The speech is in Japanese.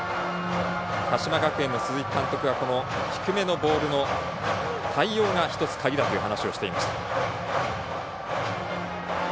鹿島学園の鈴木監督は低めのボールの対応が１つ鍵だという話をしていました。